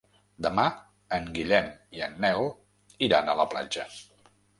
Demà en Guillem i en Nel iran a la platja.